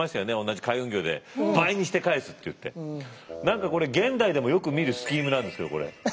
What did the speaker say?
何かこれ現代でもよく見るスキームなんですけどこれ。